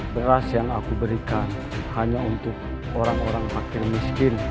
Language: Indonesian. beras yang aku berikan hanya untuk orang orang wakil miskin